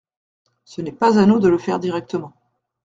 Ce n’est pas à nous de le faire directement.